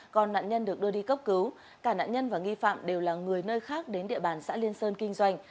còn nạn nhân được đưa đi cấp cứu cả nạn nhân và nghi phạm đều là người nơi khác đến địa bàn xã liên sơn kinh doanh